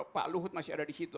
pak luhut masih ada di situ